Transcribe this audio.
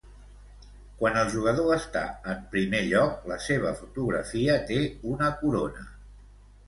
Quan el jugador està en primer lloc la seva fotografia té una corona.